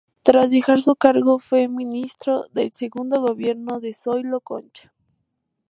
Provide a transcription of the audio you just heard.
Tras dejar su cargo, fue ministro del segundo gobierno de Zoilo Concha.